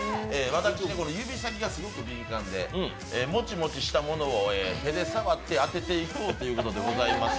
私、指先がすごく敏感でモチモチしたものを手で触って当てていこうというものでございます。